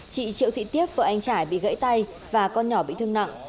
chị triệu thị tiếp vợ anh trải bị gãy tay và con nhỏ bị thương nặng